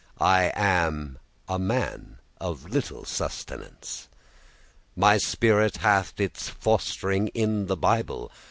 I am a man of little sustenance. My spirit hath its fost'ring in the Bible.